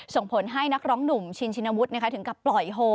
ส่งผลให้นักร้องหนุ่มชินชินวุฒิถึงกับปล่อยโฮ